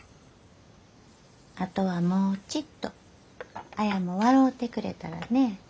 あとはもうちっと綾も笑うてくれたらね。